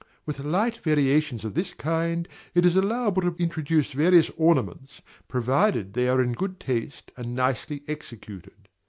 With light variations of this kind, it is allowable to introduce various ornaments, provided they are in good taste and nicely executed.